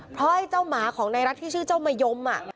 เพราะไอ้เจ้าหมาของในรัฐที่ชื่อเจ้ามะยม